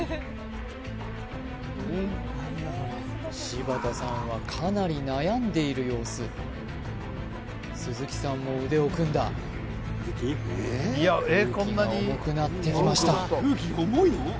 柴田さんはかなり悩んでいる様子鈴木さんも腕を組んだ空気が重くなってきました